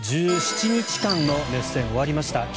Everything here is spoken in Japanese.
１７日間の熱戦が終わりました。